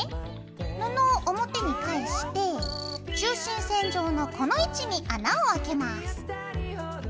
布を表に返して中心線上のこの位置に穴をあけます。